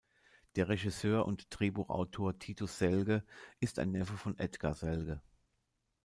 Der Regisseur und Drehbuchautor Titus Selge ist ein Neffe von Edgar Selge.